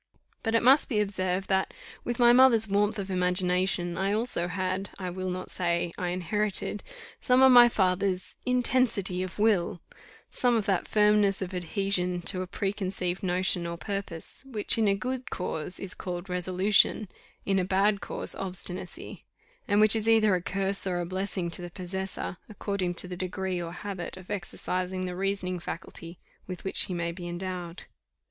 But it must be observed that, with my mother's warmth of imagination, I also had, I will not say, I inherited, some of my father's "intensity of will," some of that firmness of adhesion to a preconceived notion or purpose, which in a good cause is called resolution, in a bad cause obstinacy; and which is either a curse or a blessing to the possessor, according to the degree or habit of exercising the reasoning faculty with which he may be endowed.